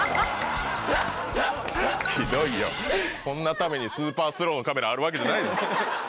こんなためにスーパースローのカメラあるわけじゃないです。